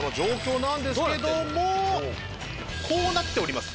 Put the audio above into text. こうなっております。